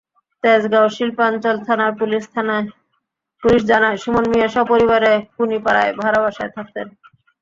তেজগাঁও শিল্পাঞ্চল থানার পুলিশ জানায়, সুমন মিয়া সপরিবারে কুনিপাড়ায় ভাড়া বাসায় থাকতেন।